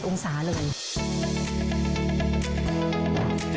๑๘๐องศาเลย